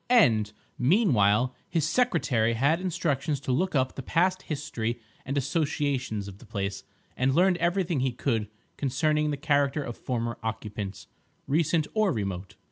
And, meanwhile, his secretary had instructions to look up the past history and associations of the place, and learn everything he could concerning the character of former occupants, recent or remote.